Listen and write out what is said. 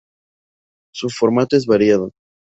Su formato es variado.